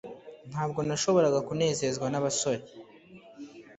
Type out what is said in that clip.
Ntabwo nashoboraga kunezezwa nabasore